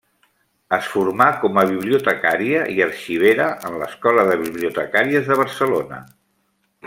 Es formà com a bibliotecària i arxivera en l'Escola de Bibliotecàries de Barcelona.